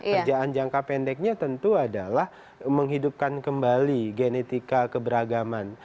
kerjaan jangka pendeknya tentu adalah menghidupkan kembali genetika keberagaman